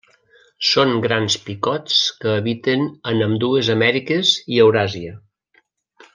Són grans picots que habiten en ambdues Amèriques i Euràsia.